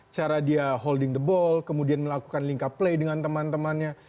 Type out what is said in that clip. cara dia holding the ball kemudian melakukan linka play dengan teman temannya